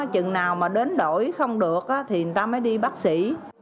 chừng nào mà đến đổi không được thì người ta mới đi bác sĩ